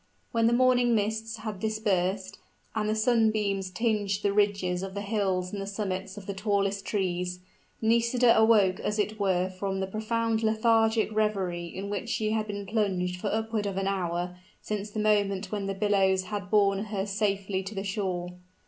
When the morning mists had dispersed, and the sunbeams tinged the ridges of the hills and the summits of the tallest trees, Nisida awoke as it were from the profound lethargic reverie in which she had been plunged for upward of an hour, since the moment when the billows had borne her safely to the shore.